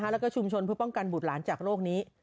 และชุมชนผู้ป้องกันบุตรหลานจากโรคนี้